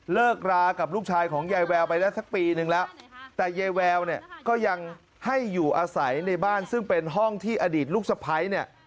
เลิกรากับลูกชายของยายแววไปได้สักปีนึงแล้วแต่ยายแววเนี่ยก็ยังให้อยู่อาศัยในบ้านซึ่งเป็นห้องที่อดีตลูกสะพ้ายเนี่ย